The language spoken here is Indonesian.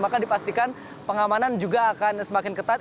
maka dipastikan pengamanan juga akan semakin ketat